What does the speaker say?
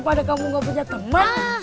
pada kamu gak punya teman